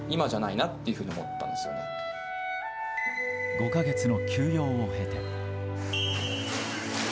５か月の休養を経て。